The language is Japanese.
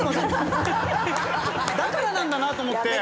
だからなんだなと思って。